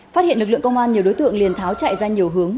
phát hiện lực lượng công an nhiều đối tượng liền tháo chạy ra nhiều hướng